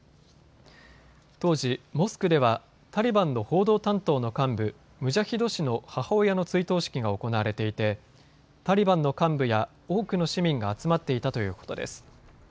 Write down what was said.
当時、モスクではタリバンの報道担当の幹部、ムジャヒド氏の母親の追悼式が行われていてタリバンの幹部や多くの市民が集まっていたということです。